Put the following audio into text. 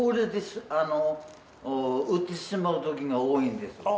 売ってしまうときが多いんです。